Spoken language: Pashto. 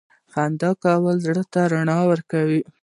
• خندا کول زړه ته رڼا ورکوي.